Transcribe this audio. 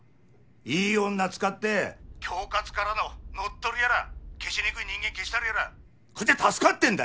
いい女使って恐喝からの乗っ取りやら消しにくい人間消したりやらこっちは助かってんだよ。